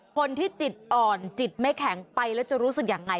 คนที่จิตอ่อนจิตไม่แข็งไปแล้วจะรู้สึกยังไง